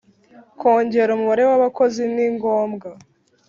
Kongera umubare w’Abakozi ni ngombwa